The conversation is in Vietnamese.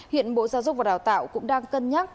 hiện bộ giáo dục và đào tạo cũng đang cân nhắc